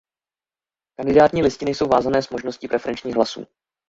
Kandidátní listiny jsou vázané s možností preferenčních hlasů.